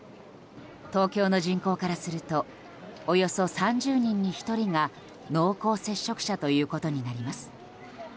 東京の人口からするとおよそ３０人に１人が濃厚接触者ということになります。